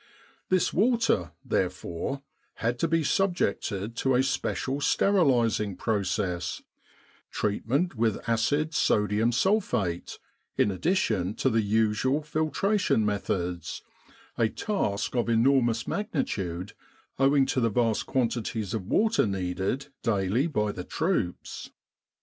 This water, therefore, had to be subjected to a special sterilising process treatment with acid sodium sulphate in addition to the usual filtration methods a task of enormous magnitude owing to the vast quantities of water needed daily by the troops.